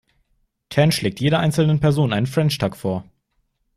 Tan schlägt jeder einzelnen Person einen French Tuck vor.